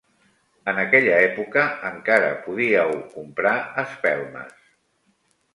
En aquella època encara podíeu comprar espelmes